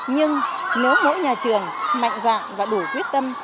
nhưng nếu mỗi nhà trường mạnh dạng và đủ quyết tâm